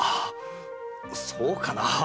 そうかな。